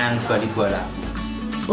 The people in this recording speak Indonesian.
yang juga di gua labu